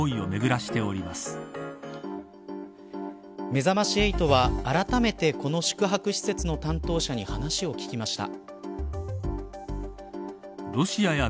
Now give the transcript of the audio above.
めざまし８はあらためてこの宿泊施設の担当者に話を聞きました。